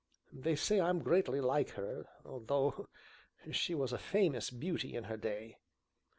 They say I'm greatly like her though she was a famous beauty in her day.